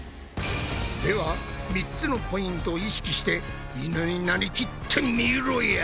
では３つのポイントを意識してイヌになりきってみろや。